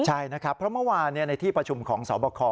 ใช่นะครับเพราะเมื่อวานในที่ประชุมของสอบคอ